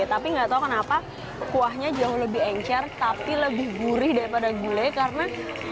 tapi nggak tahu kenapa kuahnya jauh lebih encer tapi lebih gurih daripada gulai karena